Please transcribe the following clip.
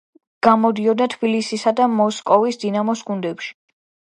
გამოდიოდა თბილისისა და მოსკოვის „დინამოს“ გუნდებში.